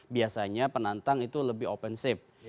biasanya penantang itu lebih open safe